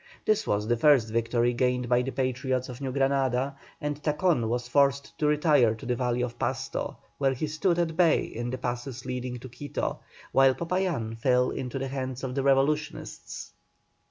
This was the first victory gained by the Patriots of New Granada, and Tacon was forced to retire to the valley of Pasto, where he stood at bay in the passes leading to Quito, while Popayán fell into the hands of the revolutionists.